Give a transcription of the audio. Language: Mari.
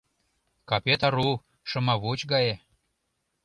Капет ару — шымавуч гае